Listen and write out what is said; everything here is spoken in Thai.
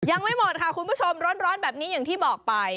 ยังไม่หมดค่ะคุณผู้ชมร้อนแบบนี้อย่างที่บอกไป